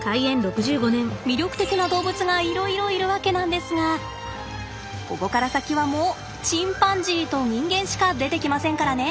魅力的な動物がいろいろいるわけなんですがここから先はもうチンパンジーと人間しか出てきませんからね。